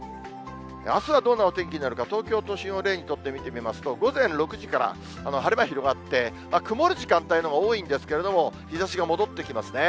あすはどんなお天気になるか、東京都心を例に取って見てみますと、午前６時から晴れ間広がって、曇る時間帯のほうが多いんですけれども、日ざしが戻ってきますね。